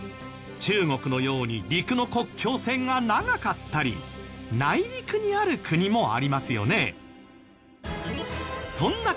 中国のように陸の国境線が長かったり内陸にある国もありますよね？